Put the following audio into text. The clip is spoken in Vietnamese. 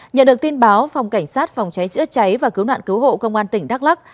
nhận được tin báo phòng cảnh sát phòng cháy chữa cháy và cứu nạn cứu hộ công an tỉnh đắk lắc